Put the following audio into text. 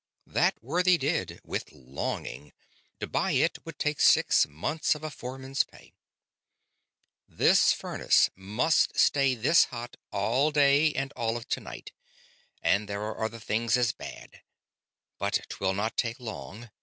That worthy did, with longing; to buy it would take six months of a foreman's pay. "This furnace must stay this hot all day and all of tonight, and there are other things as bad. But 'twill not take long.